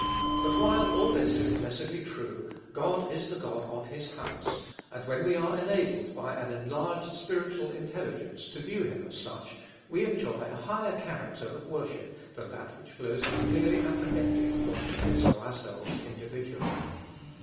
But while all this is blessedly true, God is the God of his house; and when we are enabled, by an enlarged spiritual intelligence, to view him as such, we enjoy a higher character of worship than that which flows from merely apprehending what he is to ourselves individually.